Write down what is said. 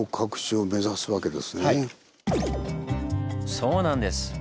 そうなんです！